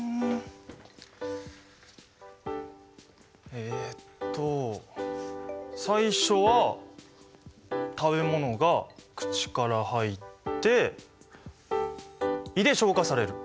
えっと最初は食べ物が口から入って胃で消化される。